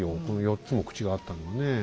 この４つも口があったのはね。